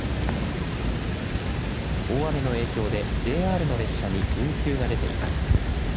大雨の影響でＪＲの列車に運休が出ています。